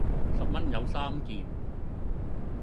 十蚊有三件